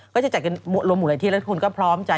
ก็จะจัดกันรวมหมู่หลายที่แล้วทุกคนก็พร้อมใจ